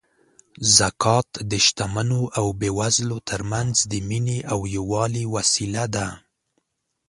زکات د شتمنو او بېوزلو ترمنځ د مینې او یووالي وسیله ده.